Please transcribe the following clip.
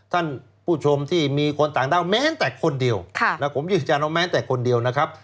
ท่านผู้ชมที่มีคนต่างด้าวแม้แต่คนเดียวผมยืนยันว่าแม้แต่คนเดียวนะครับ